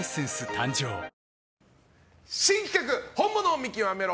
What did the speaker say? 誕生新企画、本物を見極めろ！